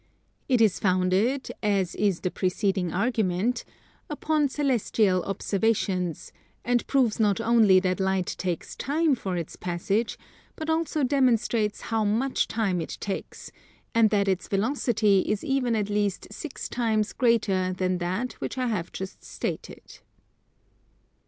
It is founded as is the preceding argument upon celestial observations, and proves not only that Light takes time for its passage, but also demonstrates how much time it takes, and that its velocity is even at least six times greater than that which I have just stated.